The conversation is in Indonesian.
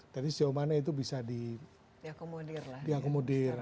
jadi sejauh mana itu bisa diakomodir